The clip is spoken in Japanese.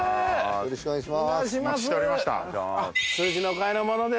よろしくお願いします